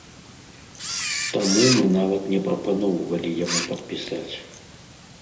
Таму мы нават не прапаноўвалі яму падпісаць.